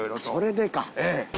それでか。